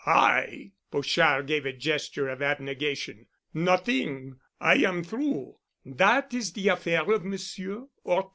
"I?" Pochard gave a gesture of abnegation. "Nothing. I am through. That is the affair of Monsieur 'Orton."